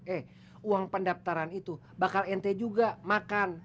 eh uang pendaftaran itu bakal ente juga makan